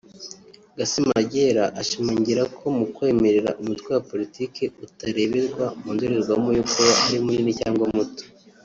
Gasamagera ashimangira ko mu kwemerera umutwe wa politiki utareberwa mu ndorerwamo yo kuba ari munini cyangwa muto